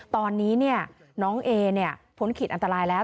ตอนนี้น้องเอพ้นขีดอันตรายแล้ว